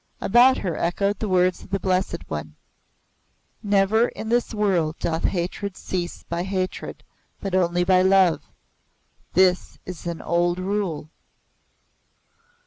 About her echoed the words of the Blessed One: "Never in this world doth hatred cease by hatred, but only by love. This is an old rule."